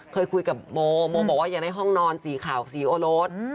เคยคุยกับโมโมบอกว่าอยากได้ห้องนอนสีขาวสีโอรส